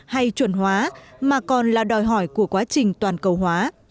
hay chuẩn hóa mà còn là đòi hỏi của quá trình toàn cầu hóa